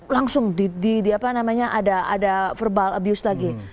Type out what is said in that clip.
langsung di apa namanya ada verbal abuse lagi